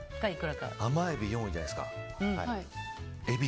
甘えびが４位じゃないですか。